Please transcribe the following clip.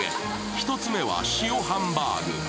１つ目は塩ハンバーグ。